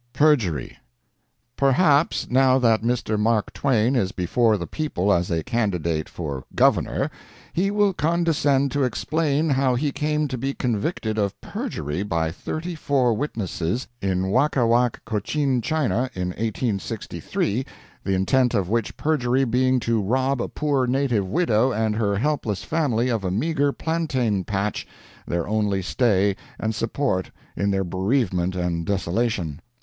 PERJURY. Perhaps, now that Mr. Mark Twain is before the people as a candidate for Governor, he will condescend to explain how he came to be convicted of perjury by thirty four witnesses in Wakawak, Cochin China, in 1863, the intent of which perjury being to rob a poor native widow and her helpless family of a meager plantain patch, their only stay and support in their bereavement and desolation.